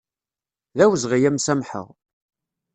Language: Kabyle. D awezɣi ad m-samḥeɣ.